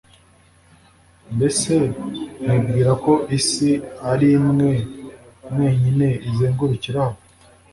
mbese mwibwira ko isi ari mwe mwenyine izengurukiraho